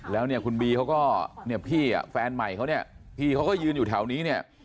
แล้วเนี่ยคุณบีเขาก็เนี่ยพี่แฟนใหม่เขาเนี่ยพี่เขาก็ยืนอยู่แถวนี้เนี่ย